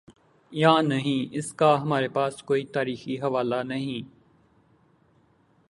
یانہیں، اس کا ہمارے پاس کوئی تاریخی حوالہ نہیں۔